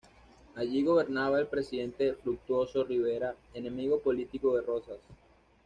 Allí gobernaba el presidente Fructuoso Rivera, enemigo político de Rosas.